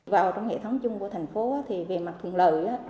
vào trong hệ thống chung của thành phố thì về mặt thuận lợi